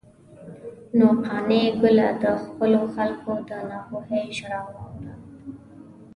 نو قانع ګله، د خپلو خلکو د ناپوهۍ ژړا واوره.